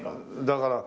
だから。